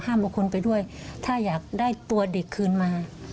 ห้ามเอาคนไปด้วยถ้าอยากได้ตัวเด็กคืนมา